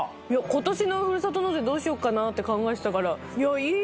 今年のふるさと納税どうしようかなって考えてたからいやいい！